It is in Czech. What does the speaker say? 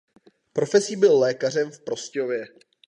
Profesí byl lékařem v Prostějově.